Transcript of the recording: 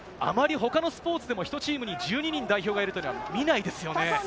あまり他のスポーツでも１チーム１２人代表がいるというのは見ないですよね。